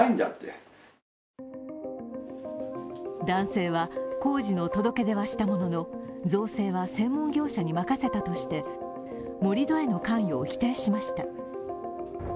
男性は、工事の届け出はしたものの、造成は専門業者に任せたとして盛り土への関与を否定しました。